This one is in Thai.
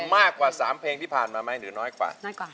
มากกว่า๓เพลงที่ผ่านมาไหมหรือน้อยกว่า